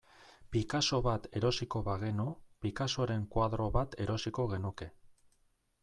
Picasso bat erosiko bagenu, Picassoren koadro bat erosiko genuke.